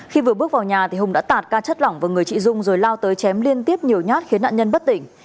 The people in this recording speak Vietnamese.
khi vừa bước vào nhà thì hùng đã tạt ca chất lỏng vào người chị dung rồi lao tới chém liên tiếp nhiều nhát khiến nạn nhân bất tỉnh